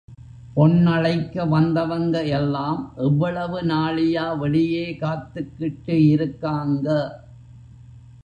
பொண்ணழைக்க வந்தவங்க எல்லாம் எவ்வளவு நாழியா வெளியே காத்துக்கிட்டு இருக்காங்க.